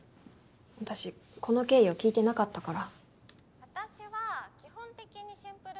私この経緯を聞いてなかったから。